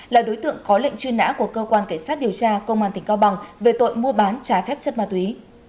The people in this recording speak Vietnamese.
là đối tượng có lệnh truy nã của cơ quan cảnh sát điều tra công an tỉnh cao bằng về tội mua bán trái phép chất ma túy